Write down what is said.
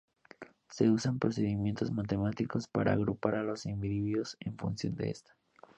Se usan procedimientos matemáticos para agrupar a los individuos en función de esta.